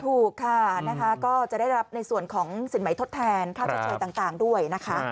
ถูกค่ะก็จะได้รับในส่วนของสินใมณทดแทนค่าเฉยต่างด้วย